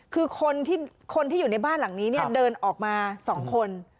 คือคนที่อยู่ในบ้านหลังนี้เนี่ยเดินออกมา๒คน